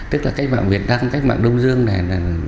tức là cách mạng việt nam cách mạng đông dương này là